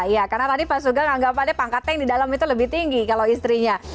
ya karena tadi pak suga menganggap adanya pangkatnya yang di dalam itu lebih tinggi kalau istrinya